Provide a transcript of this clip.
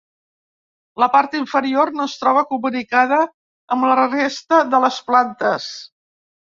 La part inferior no es troba comunicada amb la resta de les plantes.